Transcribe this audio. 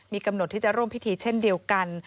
มีกำหนดที่จะร่วมพิธีเช่นเดียวกัน